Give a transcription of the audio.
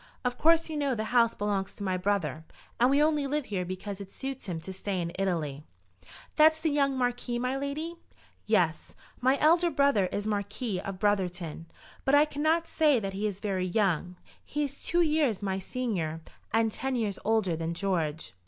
Of course you know the house belongs to my brother, and we only live here because it suits him to stay in Italy." "That's the young Marquis, my lady?" "Yes; my elder brother is Marquis of Brotherton, but I cannot say that he is very young. He is two years my senior, and ten years older than George."